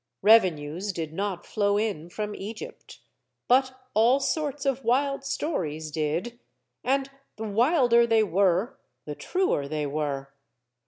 Revenues did not flow in from Egypt. But all sorts of wild stories did. And the wilder they were, the truer they were.